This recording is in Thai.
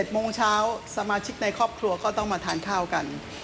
โมงเช้าสมาชิกในครอบครัวก็ต้องมาทานข้าวกัน